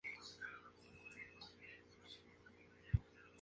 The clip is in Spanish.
Con el papel ahora expuesto a la luz, obtenía su negativo.